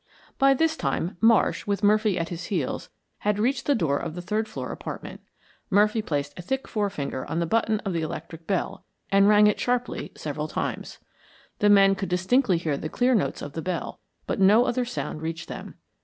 By this time, Marsh, with Murphy at his heels, had reached the door of the third floor apartment. Murphy placed a thick forefinger on the button of the electric hell and rang it sharply several times. The men could distinctly hear the clear notes of the bell, but no other sound reached them.